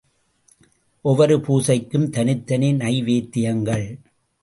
ஒவ்வொரு பூஜைக்கும் தனித்தனி நைவேத்தியங்கள்.